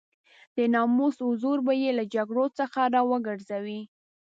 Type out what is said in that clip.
د ناموس حضور به يې له جګړو څخه را وګرځوي.